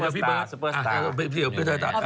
พี่จิ๊กคือซูเปอร์สตาร์